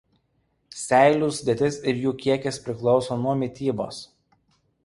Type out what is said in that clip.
Seilių sudėtis ir jų kiekis priklauso nuo mitybos.